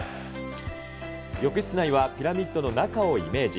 浴室内はピラミッドの中をイメージ。